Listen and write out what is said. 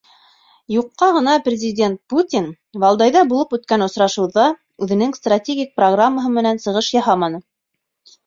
Юҡҡа ғына Президент Путин Валдайҙа булып үткән осрашыуҙа үҙенең стратегик программаһы менән сығыш яһаманы.